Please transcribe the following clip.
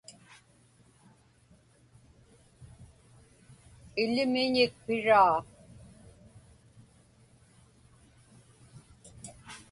Ilimiñik piraa.